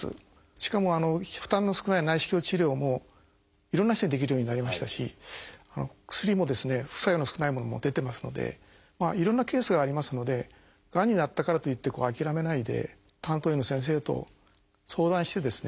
しかも負担の少ない内視鏡治療もいろんな人にできるようになりましたし薬も副作用の少ないものも出てますのでいろんなケースがありますのでがんになったからといって諦めないで担当医の先生と相談してですね